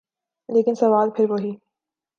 لیکن سوال پھر وہی۔